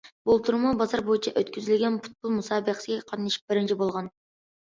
بۇلتۇرمۇ بازار بويىچە ئۆتكۈزۈلگەن پۇتبول مۇسابىقىسىگە قاتنىشىپ بىرىنچى بولغان.